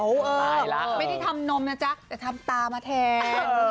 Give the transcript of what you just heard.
ไม่ได้ทำนมนะจ๊ะแต่ทำตามาแทน